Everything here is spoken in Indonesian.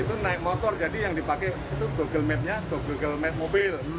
itu naik motor jadi yang dipakai itu google map nya google map mobil